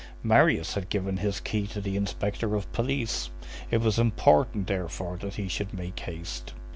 Marius had given his key to the inspector of police; it was important, therefore, that he should make haste.